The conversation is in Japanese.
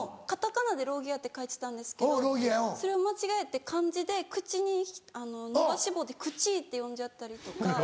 カタカナで「ローギア」って書いてたんですけどそれを間違えて漢字で「口」に伸ばし棒で「くち」って読んじゃったりとか。